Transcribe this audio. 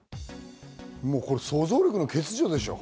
これ想像力の欠如でしょ。